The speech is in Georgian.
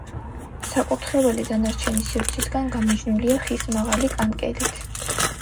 საკურთხეველი დანარჩენი სივრცისგან გამიჯნულია ხის მაღალი კანკელით.